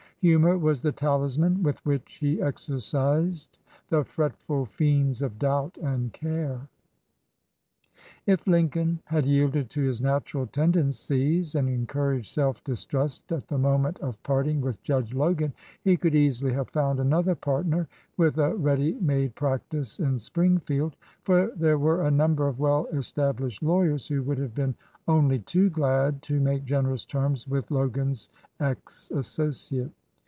Humor was the talisman with which he exercised "the fretful fiends of doubt and care." If Lincoln had yielded to his natural tenden cies and encouraged self distrust at the moment of parting with Judge Logan, he could easily have found another partner with a ready made practice in Springfield; for there were a number of well established lawyers who would have been only too glad to make generous terms with Logan's ex associate.